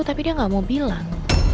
tapi dia gak mau bilang